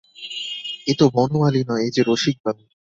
এ তো বনমালী নয়, এ যে রসিকবাবু!